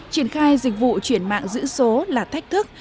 triển khai dịch vụ chuyển mạng giữ số là thách thức